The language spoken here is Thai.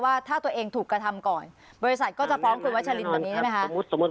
ว่าถ้าตัวเองถูกกระทำก่อนบริษัทก็จะฟ้องคุณวัชลินแบบนี้ใช่ไหมคะ